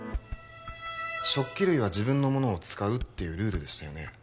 食器類は自分のものを使うっていうルールでしたよね？